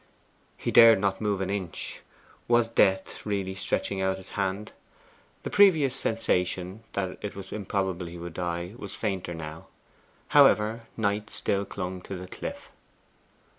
He dared not move an inch. Was Death really stretching out his hand? The previous sensation, that it was improbable he would die, was fainter now. However, Knight still clung to the cliff.